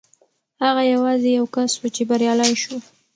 هغه یوازې یو کس و چې بریالی شو.